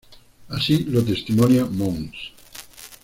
Así lo testimonia Mons.